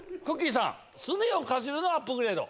さんすねをかじるのアップグレード。